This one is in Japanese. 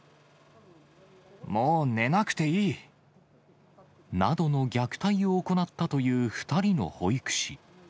もう寝なくていい。などの虐待を行ったという２人の保育士。